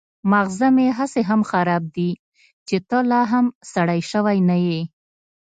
ماغزه مې هسې هم خراب دي چې ته لا هم سړی شوی نه يې.